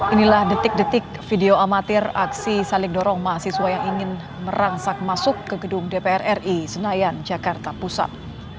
inilah detik detik video amatir aksi saling dorong mahasiswa yang ingin merangsak masuk ke gedung dpr ri senayan jakarta pusat